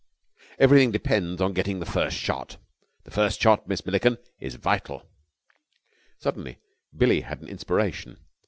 "Everything depends on getting the first shot! The first shot, Miss Milliken, is vital." Suddenly Billie had an inspiration.